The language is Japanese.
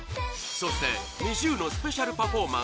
そしてＮｉｚｉＵのスペシャルパフォーマンス